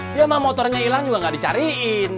dia mah motornya ilang juga gak dicariin